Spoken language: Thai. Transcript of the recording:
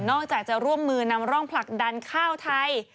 จากจะร่วมมือนำร่องผลักดันข้าวไทย